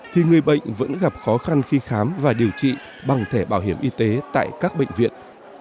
thì người bệnh vẫn gặp khó khăn khi khám và điều trị bằng thẻ bảo hiểm y tế tại các bệnh viện